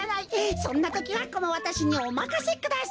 そんなときはこのわたしにおまかせください。